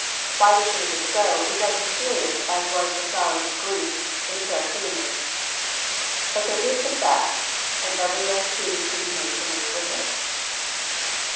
Why this should have been so is as mysterious as was the flowering of Greece in the Periclean age. But there is the fact, and every young student should be made familiar with it.